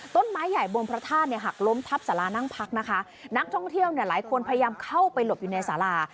ต้นไม้ใหญ่บนพระธาตุหลมทับสารานั่งพักนักท่องเที่ยวหลายคนพยายามเข้าไปหลบอยู่ในสารา